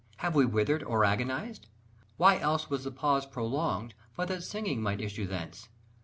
Have we withered or agonized? Why else was the pause prolonged but that singing might issue thence?